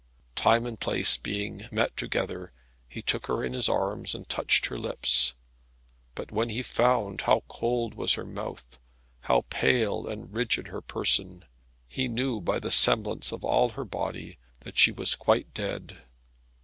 Time and place being met together, he took her in his arms and touched her lips. But when he found how cold was her mouth, how pale and rigid her person, he knew by the semblance of all her body that she was quite dead.